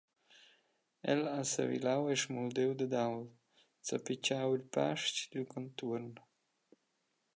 El ha sevilau e smuldiu dad ault, zappitschau il pastg dil contuorn.